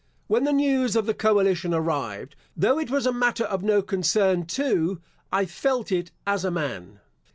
When the news of the coalition arrived, though it was a matter of no concern to I felt it as a man.